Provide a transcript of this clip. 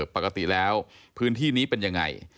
ปกติแล้วพื้นที่นี้เป็นยังไง